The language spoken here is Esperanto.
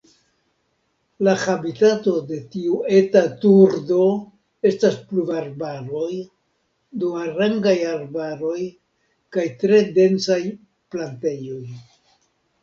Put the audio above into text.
La habitato de tiu eta turdo estas pluvarbaroj, duarangaj arbaroj kaj tre densaj plantejoj.